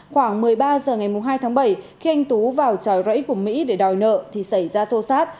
khoảng một mươi ba h ngày hai tháng bảy khi anh tú vào tròi rẫy của mỹ để đòi nợ thì xảy ra xô xát